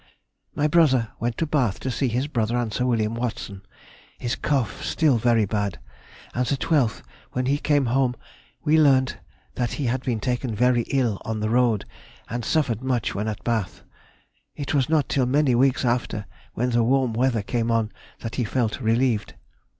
_—My brother went to Bath to see his brother and Sir William Watson. His cough still very bad, and the 12th, when he came home, we learned that he had been taken very ill on the road and suffered much when at Bath. It was not till many weeks after, when the warm weather came on, that he felt relieved.